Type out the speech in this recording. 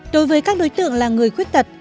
đối với các đối tượng là người khuyết tật